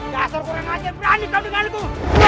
dasar orang lain yang berani kau denganku